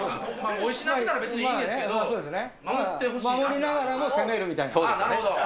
おいしくなってたら別にいい守りながらも攻めるみたいな。